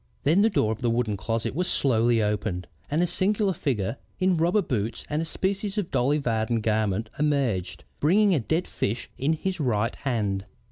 Then the door of the wood closet was slowly opened and a singular figure in rubber boots and a species of Dolly Varden garment emerged, bringing a dead fish in his right hand."